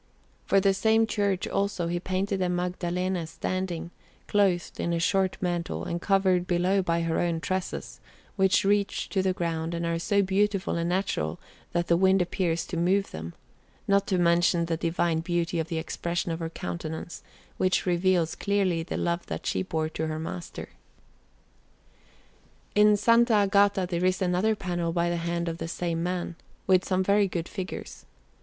For the same church, also, he painted a Magdalene standing, clothed in a short mantle, and covered below this by her own tresses, which reach to the ground and are so beautiful and natural, that the wind appears to move them; not to mention the divine beauty of the expression of her countenance, which reveals clearly the love that she bore to her Master. In S. Agata there is another panel by the hand of the same man, with some very good figures.